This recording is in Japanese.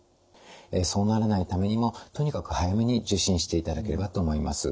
そうならないためにもとにかく早めに受診していただければと思います。